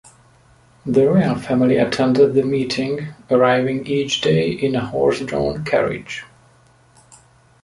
The royal family attend the meeting, arriving each day in a horse-drawn carriage.